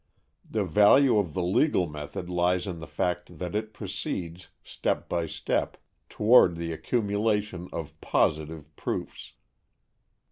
The value of the legal method lies in the fact that it proceeds, step by step, toward the accumulation of positive proofs.